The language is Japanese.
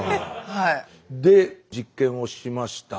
で実験をしました。